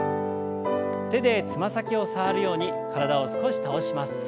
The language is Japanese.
手でつま先を触るように体を少し倒します。